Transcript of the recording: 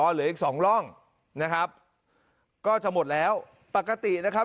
เหลืออีกสองร่องนะครับก็จะหมดแล้วปกตินะครับ